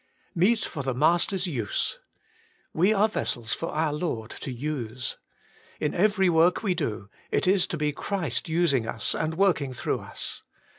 ' Alect for the Master's use.' We are vessels for our Lord to use. In every work we do, it is to be Christ using us and work ing through us.